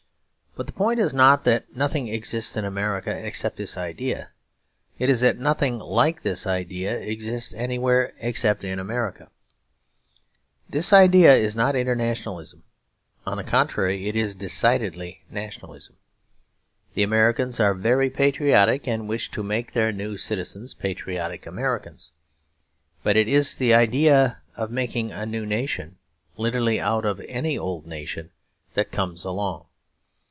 But the point is not that nothing exists in America except this idea; it is that nothing like this idea exists anywhere except in America. This idea is not internationalism; on the contrary it is decidedly nationalism. The Americans are very patriotic, and wish to make their new citizens patriotic Americans. But it is the idea of making a new nation literally out of any old nation that comes along.